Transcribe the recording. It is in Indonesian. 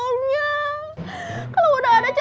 katanya aduk penting udah ada calonnya